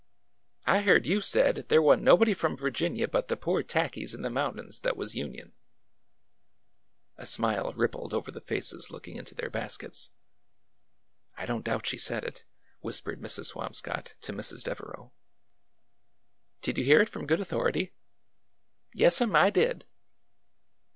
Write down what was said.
" I heard you said there wasn't nobody from Virginia but the poor tackies in the mountains that was Union !^ A smile rippled over the faces looking into their bas kets. '' I don't doubt she said it," whispered Mrs. Swam scott to Mrs. Devereau. "Did you hear it from good authority?" " Yes 'm, I did